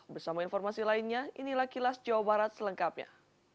bersama informasi lainnya inilah kilas jawa barat selengkapnya